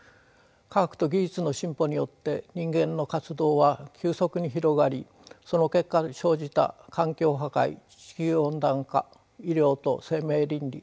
科学と技術の進歩によって人間の活動は急速に広がりその結果生じた環境破壊地球温暖化医療と生命倫理